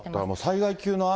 災害級の雨。